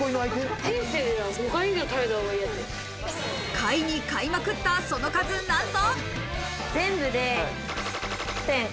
買いに買いまくったその数なんと。